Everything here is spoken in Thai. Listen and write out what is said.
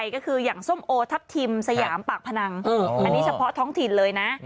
ก็คืออย่างส้มโอทัพทิมสยามปากพนังอันนี้เฉพาะท้องถิ่นเลยนะ